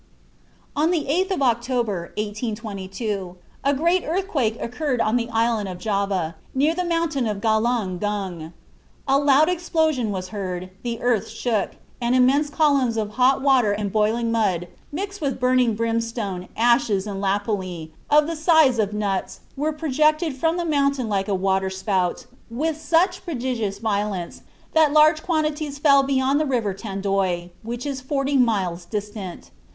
On the 8th of October, 1822, a great earthquake occurred on the island of Java, near the mountain of Galung Gung. "A loud explosion was heard, the earth shook, and immense columns of hot water and boiling mud, mixed with burning brimstone, ashes, and lapilli, of the size of nuts, were projected from the mountain like a water spout, with such prodigious violence that large quantities fell beyond the river Tandoi, which is forty miles distant....